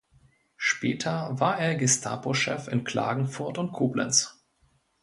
Später war er Gestapochef in Klagenfurt und Koblenz.